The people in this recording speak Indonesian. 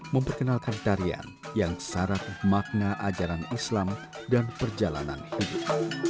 memperkenalkan tarian yang syarat makna ajaran islam dan perjalanan hidup